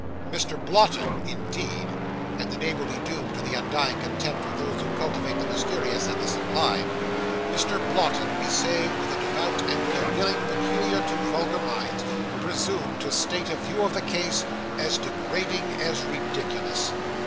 Mr. Blotton, indeed and the name will be doomed to the undying contempt of those who cultivate the mysterious and the sublime Mr. Blotton, we say, with the doubt and cavilling peculiar to vulgar minds, presumed to state a view of the case, as degrading as ridiculous.